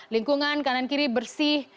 lingkungan kanan kiri bersih